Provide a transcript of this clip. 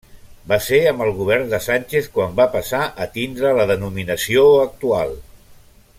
Va ser amb el Govern de Sánchez quan va passar a tindre la denominació actual.